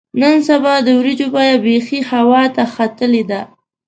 نن سبا د وریجو بیه بیخي هوا ته ختلې ده.